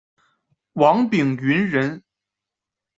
王秉鋆人。